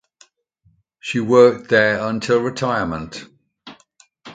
She worked there until retirement.